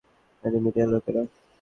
এই মিডিয়ার লোকেরা।